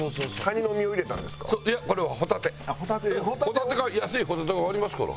ホタテが安いホタテがありますから。